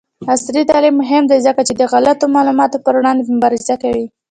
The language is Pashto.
عصري تعلیم مهم دی ځکه چې د غلطو معلوماتو پر وړاندې مبارزه کوي.